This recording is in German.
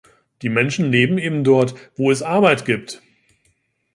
Die Menschen leben eben dort, wo es Arbeit gibt.